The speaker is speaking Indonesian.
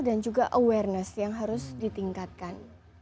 dan juga awareness yang harus ditingkatkan